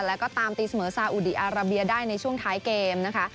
แล้วก็ตามตีเสมอซาอุดีอาราเบียได้ในช่วงท้ายเกมนะคะ